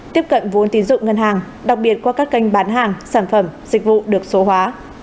tiếp cận vốn tín dụng ngân hàng đặc biệt qua các kênh bán hàng sản phẩm dịch vụ được số hóa